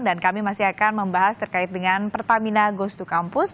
dan kami masih akan membahas terkait dengan pertamina bostu kampus